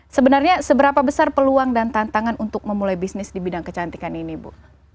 sebenarnya seberapa besar peluang dan tantangan untuk memulai bisnis di bidang kecantikan ini bu